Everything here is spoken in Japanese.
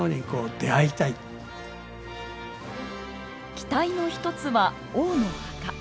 期待の一つは王の墓。